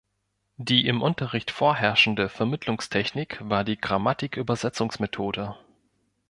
Die im Unterricht vorherrschende Vermittlungstechnik war die Grammatik-Übersetzungsmethode.